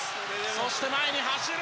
そして前に走る。